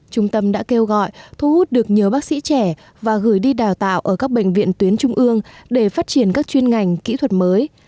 trung tâm đã kêu gọi thu hút được nhiều bác sĩ trẻ và gửi đi đào tạo ở các bệnh viện tuyến trung ương để phát triển các chuyên ngành kỹ thuật mới